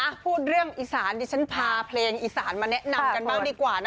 พูดเรื่องอีสานดิฉันพาเพลงอีสานมาแนะนำกันบ้างดีกว่านะ